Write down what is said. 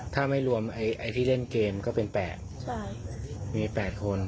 ถ้าไม่รวมไอ้ที่เล่นเกมก็เป็น๘มี๘คน